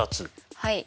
はい。